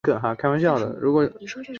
十月十四日补记。